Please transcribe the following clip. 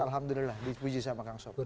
alhamdulillah dipuji sama kang sob